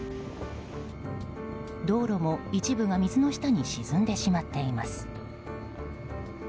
道路も一部が水の下に沈んでしまっています。